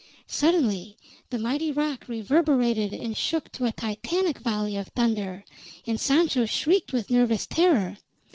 Suddenly the mighty rock reverberated and shook to a Titanic volley of thunder, and Sancho shrieked with nervous terror.